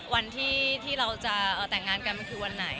วันที่เราจะแต่งงานกันมันคือวันไหน